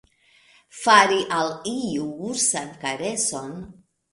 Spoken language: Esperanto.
Fari al iu ursan kareson.